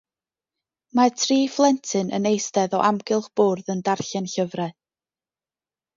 Mae tri phlentyn yn eistedd o amgylch bwrdd yn darllen llyfrau